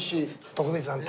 徳光さんに。